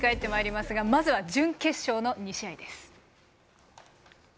まずは準決勝の２試合です。